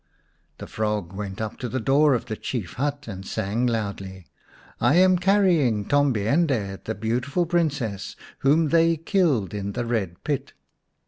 The frog went up to the door of the chief hut and sang loudly :" I am carrying Tombi ende, The Beautiful Princess, Whom they killed in the red pit."